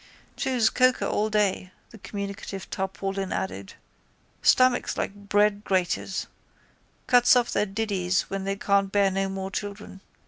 —Chews coca all day, the communicative tarpaulin added. Stomachs like breadgraters. Cuts off their diddies when they can't bear no more children.